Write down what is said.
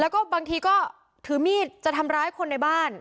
แล้วก็บางทีก็ถือมีดจะทำร้ายคนในบ้าน